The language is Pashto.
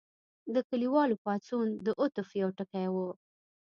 د کلیوالو پاڅون د عطف یو ټکی و.